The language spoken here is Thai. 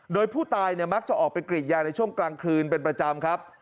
โดยผู้ตายมักจะออกไปกรีดยางในช่วงกลางคืนเป็นประจำครับ